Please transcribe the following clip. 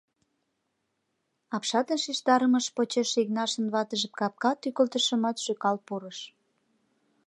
Апшатын шижтарымыж почеш Игнашын ватыже капка тӱкылтышымат шӱкал пурыш.